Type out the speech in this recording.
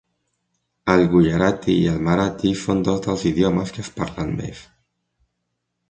El gujarati i el marathi són dos dels idiomes que es parlen més.